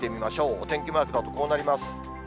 お天気マーク、こうなります。